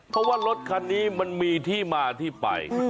เพราะว่ารถคันนี้มันมีที่มาที่ไป